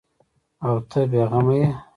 او ته بې غمه یې ؟